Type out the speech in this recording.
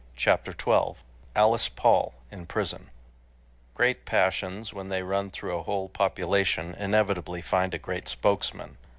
Chapter 12 Alice Paul in Prison Great passions when they run through a whole population, inevitably find a great spokesman.